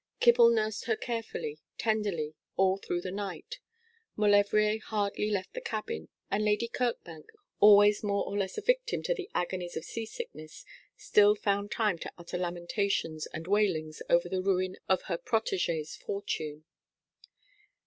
Kibble nursed her carefully, tenderly, all through the night; Maulevrier hardly left the cabin, and Lady Kirkbank, always more or less a victim to the agonies of sea sickness, still found time to utter lamentations and wailings over the ruin of her protégée's fortune.